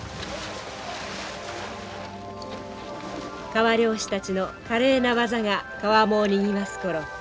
川漁師たちの華麗な技が川面をにぎわす頃